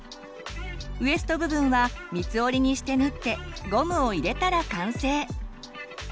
ウエスト部分は三つ折りにして縫ってゴムを入れたら完成。